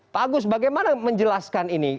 pak agus bagaimana menjelaskan ini